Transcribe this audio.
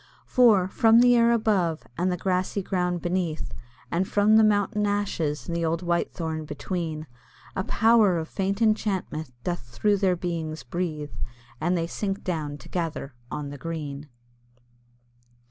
For, from the air above, and the grassy ground beneath, And from the mountain ashes and the old Whitethorn between, A Power of faint enchantment doth through their beings breathe, And they sink down together on the green.